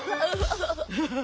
ハハハハ！